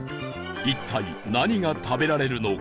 一体何が食べられるのか？